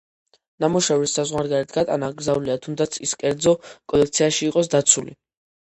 ნამუშევრის საზღვარგარეთ გატანა აკრძალულია თუნდაც, ის კერძო კოლექციაში იყოს დაცული.